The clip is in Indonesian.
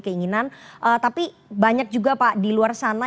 keinginan tapi banyak juga pak di luar sana